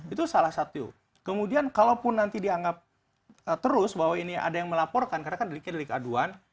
itu salah satu kemudian kalaupun nanti dianggap terus bahwa ini ada yang melaporkan karena kan deliknya delik aduan